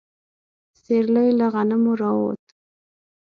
سيرلي له غنمو راووت.